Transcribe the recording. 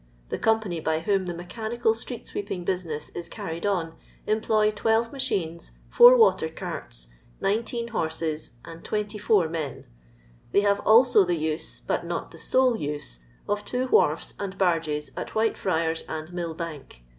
The company by whom the mechanical street sweeping business is carried on employ 12 machines, 4 water carts, 19 horses, and 24 men. They have also the use, but not the sole use, of two wharfs and barges at Whitefriars and Millbank.